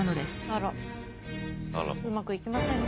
あらうまくいきませんね。